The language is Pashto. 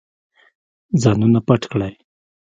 ځانونه پټ کړئ.